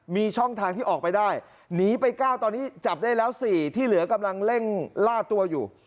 มีช่องทางที่ออกไปได้หนีไป๙ตอนนี้จับได้แล้ว๔ที่เหลือกำลังเร่งล่าตัวอยู่